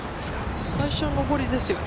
最初は上りですよね。